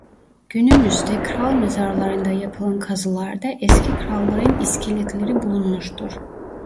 Günümüzde kral mezarlarında yapılan kazılarda eski kralların iskeletleri bulunmuştur.